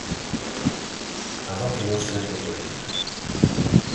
A do que non se mete en política.